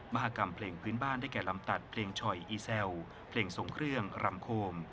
มหากรรมเพลงพื้นบ้านได้แก่ลำตัดเพลงช่อยอีแซวเพลงทรงเครื่องรำโคม